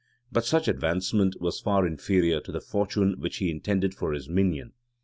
But such advancement was far inferior to the fortune which he intended for his minion.